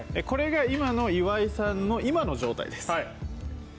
これが岩井さんの今の状態です。